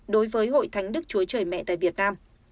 đối với hội thánh đức chúa trời mẹ tại việt nam